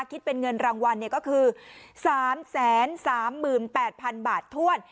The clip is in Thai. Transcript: คิดเป็นเงินรางวัลก็คือ๓๓๘๐๐๐บาทถ้วน